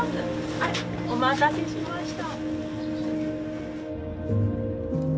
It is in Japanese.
あれお待たせしました。